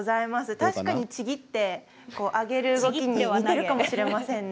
確かにちぎってあげる動きに似ているかもしれませんね。